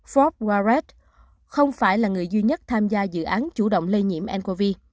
forbes walrath không phải là người duy nhất tham gia dự án chủ động lây nhiễm ncov